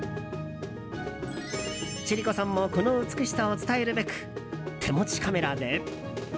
千里子さんもこの美しさを伝えるべく手持ちカメラで。